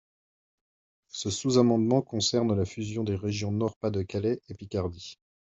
Ce sous-amendement concerne la fusion des régions Nord-Pas-de-Calais et Picardie.